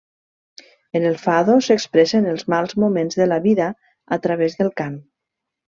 En el fado s'expressen els mals moments de la vida a través del cant.